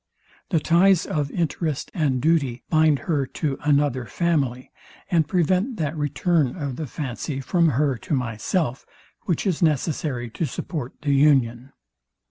The ties of interest and duty bind her to another family, and prevent that return of the fancy from her to myself, which is necessary to support the union.